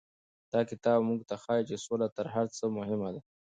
دا کتاب موږ ته ښيي چې سوله تر هر څه مهمه ده.